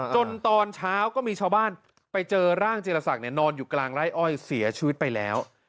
ตอนเช้าก็มีชาวบ้านไปเจอร่างจีรศักดิ์นอนอยู่กลางไร่อ้อยเสียชีวิตไปแล้ว